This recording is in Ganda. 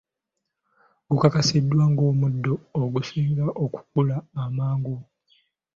Gukakasiddwa ng'omuddo ogusinga okukula amangu.